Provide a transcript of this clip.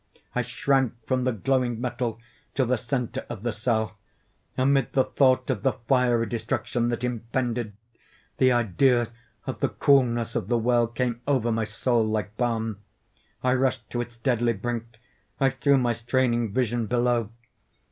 I shrank from the glowing metal to the centre of the cell. Amid the thought of the fiery destruction that impended, the idea of the coolness of the well came over my soul like balm. I rushed to its deadly brink. I threw my straining vision below.